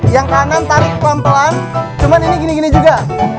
yang kanan tarik pelan pelan cuma ini gini gini juga